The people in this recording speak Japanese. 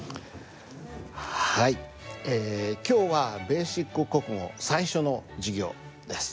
はい今日は「ベーシック国語」最初の授業です。